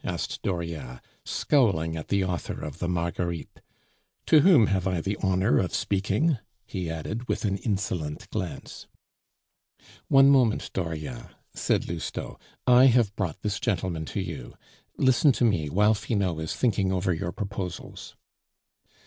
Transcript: asked Dauriat, scowling at the author of the Marguerites. "To whom have I the honor of speaking?" he added, with an insolent glance. "One moment, Dauriat," said Lousteau. "I have brought this gentleman to you. Listen to me, while Finot is thinking over your proposals."